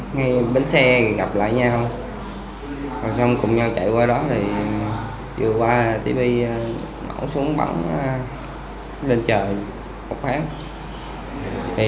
ngay bến xe gặp lại nhau cùng nhau chạy qua đó vừa qua tp bắn lên trời một phát